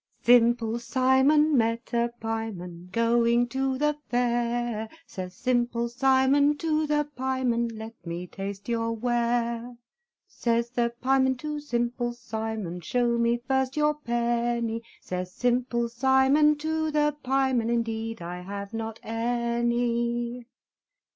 Simple Simon met a pieman, Going to the fair; Says Simple Simon to the pieman, "Let me taste your ware." Says the pieman to Simple Simon, "Show me first your penny." Says Simple Simon to the pieman, "Indeed I have not any."